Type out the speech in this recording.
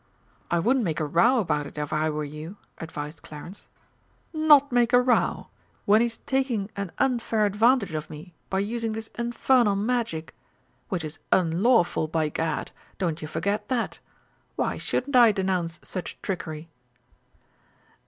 "I wouldn't make a row about it if I were you," advised Clarence. "Not make a row? When he's taking an unfair advantage of me by using this infernal Magic? which is unlawful, by Gad, don't you forget that! Why shouldn't I denounce such trickery?"